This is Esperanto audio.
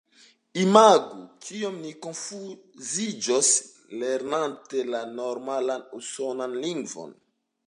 Imagu, kiom ni konfuziĝos, lernante la norman usonan lingvon!